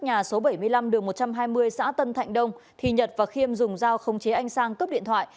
nhà số bảy mươi năm đường một trăm hai mươi xã tân thạnh đông thì nhật và khiêm dùng dao khống chế anh sang cướp điện thoại